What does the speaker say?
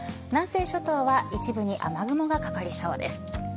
南西諸島は一部に雨雲がかかりそうです。